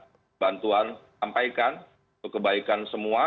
kami minta bantuan sampaikan kebaikan semua